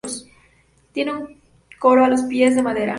Tiene un coro a los pies, de madera.